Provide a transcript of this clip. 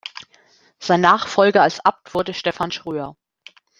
Sein Nachfolger als Abt wurde Stephan Schröer.